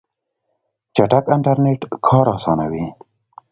چټک انټرنیټ کار اسانوي.